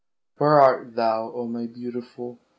Where art thou, oh! my Beautiful?